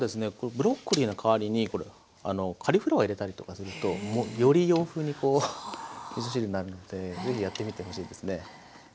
ブロッコリーの代わりにこれカリフラワー入れたりとかするとより洋風にこうみそ汁になるのでぜひやってみてほしいですね。